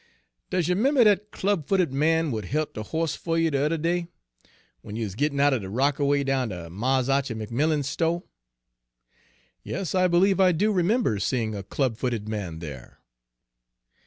Does you 'member dat club footed man w'at hilt de hoss fer you de yuther day w'en you was gittin' out'n de rockaway down ter Mars Archie McMillan's sto'?" "Yes, I believe I do remember seeing a club footed man there."